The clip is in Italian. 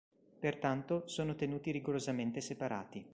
Pertanto, sono tenuti rigorosamente separati.